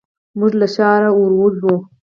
موږ له ښاره ور وځو.